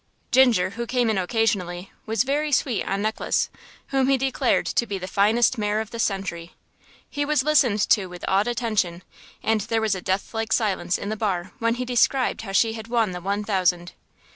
'" Ginger, who came in occasionally, was very sweet on Necklace, whom he declared to be the finest mare of the century. He was listened to with awed attention, and there was a death like silence in the bar when he described how she had won the One Thousand.